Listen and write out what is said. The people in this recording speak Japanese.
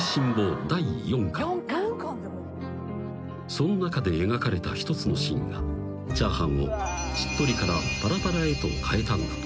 ［その中で描かれた一つのシーンがチャーハンをしっとりからパラパラへと変えたのだとか］